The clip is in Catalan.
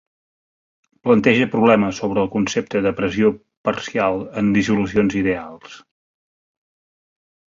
Planteja problemes sobre el concepte de pressió parcial en dissolucions ideals.